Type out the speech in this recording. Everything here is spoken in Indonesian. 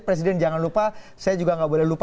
presiden jangan lupa saya juga nggak boleh lupa